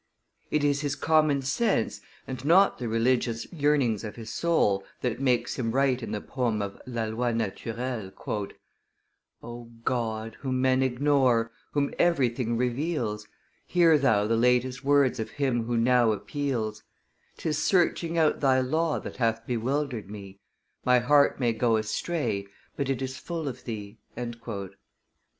It is his common sense, and not the religious yearnings of his soul, that makes him write in the poem of La Loi naturelle, O God, whom men ignore, whom everything reveals, Hear Thou the latest words of him who now appeals; 'Tis searching out Thy law that hath bewildered me; My heart may go astray, but it is full of Thee.